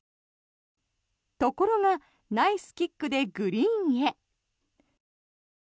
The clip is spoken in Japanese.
ところが、ナイスキックでグリーンへ。